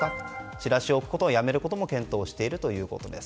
チラシを置くことをやめることも検討しているということです。